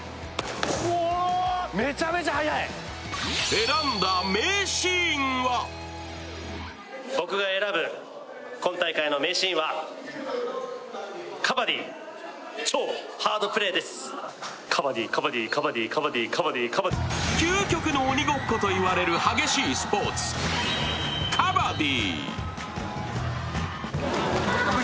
選んだ名シーンは究極の鬼ごっこといわれる激しいスポーツ・カバディ。